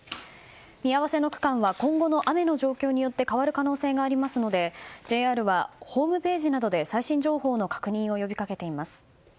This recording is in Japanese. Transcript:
見合わせの区間は今後の雨の状況によって変わる可能性がありますのでＪＲは、ホームページなどで最新情報の確認を呼びかけています。